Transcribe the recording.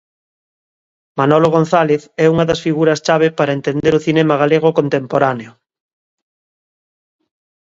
Manolo González é unha das figuras chave para entender o cinema galego contemporáneo.